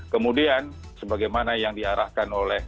kemudian sebagaimana yang diarahkan oleh